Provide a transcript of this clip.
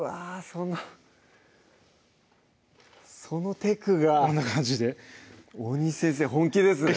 そんなそのテクがこんな感じで大西先生本気ですね